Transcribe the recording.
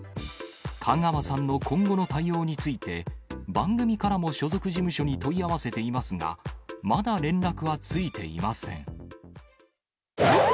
香川さんの今後の対応について、番組からも所属事務所に問い合わせていますが、まだ連絡はついていません。